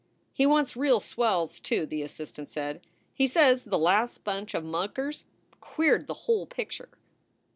"He wants real swells, too," the assistant said. "He says the last bunch of muckers queered the whole picture."